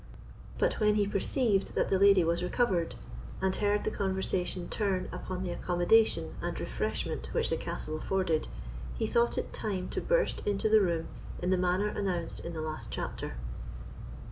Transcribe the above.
But when he perceived that the lady was recovered, and heard the conversation turn upon the accommodation and refreshment which the castle afforded, he thought it time to burst into the room in the manner announced in the last chapter.